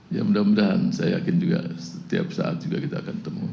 ya mudah mudahan saya yakin juga setiap saat juga kita akan temu